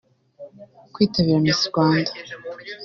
Kwitabira Miss Rwanda